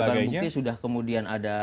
sudah ada barang bukti sudah kemudian ada